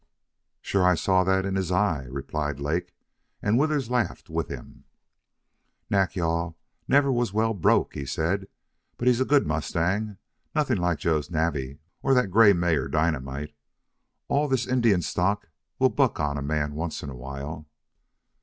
"Sure, I saw that in his eye," replied Lake; and Withers laughed with him. "Nack yal never was well broke," he said. "But he's a good mustang, nothing like Joe's Navvy or that gray mare Dynamite. All this Indian stock will buck on a man once in a while."